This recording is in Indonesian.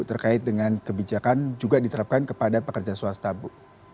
terkait dengan kebijakan juga diterapkan kepada pekerja swasta bu